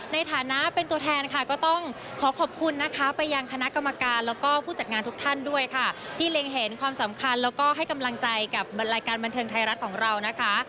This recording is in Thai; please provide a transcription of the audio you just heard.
ในฐานะเป็นตัวแทนค่ะก็ต้องขอขอบคุณนะคะไปยังคณะกรรมการแล้วก็ผู้จัดงานทุกท่านด้วยค่ะที่เล็งเห็นความสำคัญแล้วก็ให้กำลังใจกับบรรยายการบันเทิงไทยรัฐของเรานะคะ